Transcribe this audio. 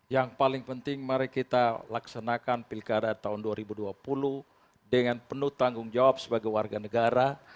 yang paling penting mari kita laksanakan pilkada tahun dua ribu dua puluh dengan penuh tanggung jawab sebagai warga negara